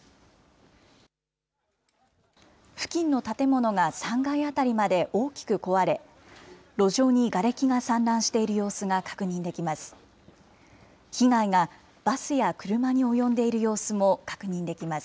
付近の建物が３階辺りまで大きく壊れ、路上にがれきが散乱している様子が確認できます。